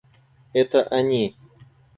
Это они.